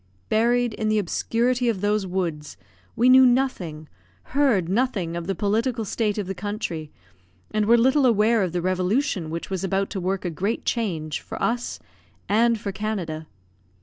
Buried in the obscurity of those woods, we knew nothing, heard nothing of the political state of the country, and were little aware of the revolution which was about to work a great change for us and for Canada.